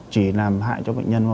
chỉ làm hại cho bệnh nhân